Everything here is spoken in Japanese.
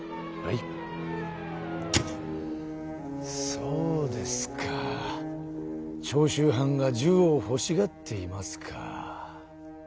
そうですか長州藩が銃をほしがっていますか。